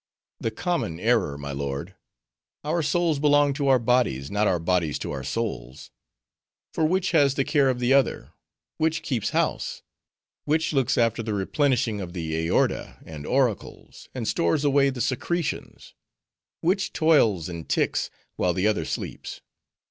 "The common error, my lord. Our souls belong to our bodies, not our bodies to our souls. For which has the care of the other? which keeps house? which looks after the replenishing of the aorta and auricles, and stores away the secretions? Which toils and ticks while the other sleeps?